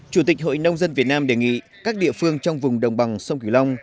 chủ tịch hội nông dân việt nam đề nghị các địa phương trong vùng đồng bằng sông kiều long